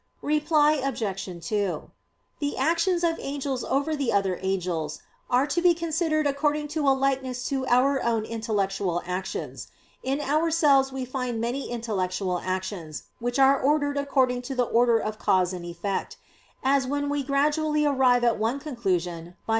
Reply Obj. 2: The actions of angels over the other angels are to be considered according to a likeness to our own intellectual actions. In ourselves we find many intellectual actions which are ordered according to the order of cause and effect; as when we gradually arrive at one conclusion by many middle terms.